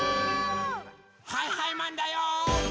はいはいマンだよ！